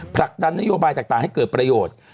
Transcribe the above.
ผลักดันนโยบายต่างให้เกิดประโยชน์